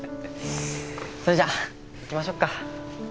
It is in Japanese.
それじゃあ行きましょうか。